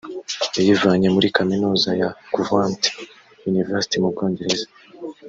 yayivanye muri Kaminuza ya Coventry University mu Bwongereza